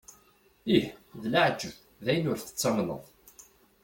Ih, d leεǧeb, d ayen ur tettamneḍ!